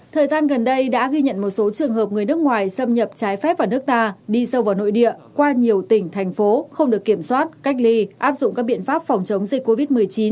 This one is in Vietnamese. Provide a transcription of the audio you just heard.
thời gian gần đây đã ghi nhận một số trường hợp người nước ngoài xâm nhập trái phép vào nước ta đi sâu vào nội địa qua nhiều tỉnh thành phố không được kiểm soát cách ly áp dụng các biện pháp phòng chống dịch covid một mươi chín